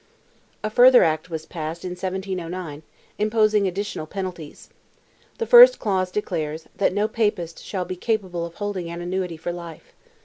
A further act was passed, in 1709, imposing additional penalties. The first clause declares, that no Papist shall be capable of holding an annuity for life.